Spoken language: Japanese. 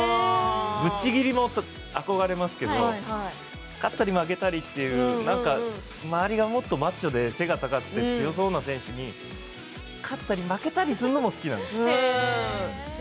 ぶっちぎりも憧れますけど勝ったり負けたりという周りがもっとマッチョで背が高くて強そうな選手に勝ったり負けたりするのも好きなんです。